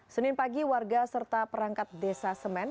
senin pagi warga serta perangkat desa semen